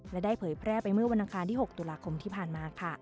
และได้เผยแพร่ไปเมื่อวันอังคารที่๖ตุลาคมที่ผ่านมาค่ะ